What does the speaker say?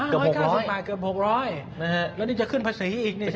เกือบ๖๐๐บาทนะฮะแล้วนี่จะขึ้นภาษีอีกใช่ไหมโอ้โห